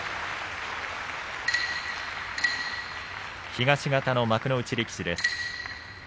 東方の幕内力士です。